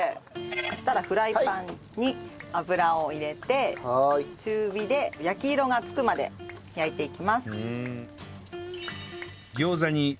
そしたらフライパンに油を入れて中火で焼き色がつくまで焼いていきます。